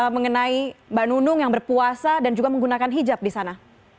mengenai mbak nunung yang berpuasa dan juga menggunakan hijab di sana